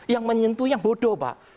yang menyentuh yang bodoh pak